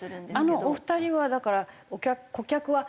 あのお二人はだから顧客は外国人？